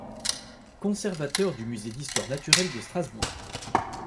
Conservateur du musée d'histoire naturelle de Strasbourg.